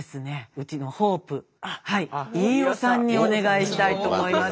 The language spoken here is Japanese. うちのホープ飯尾さんにお願いしたいと思います。